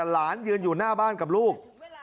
หลานยืนอยู่หน้าบ้านกับลูก